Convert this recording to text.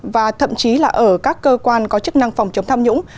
và thậm chí là ở các cơ quan có chức năng phòng chống tham nhũng